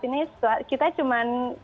ini kita cuman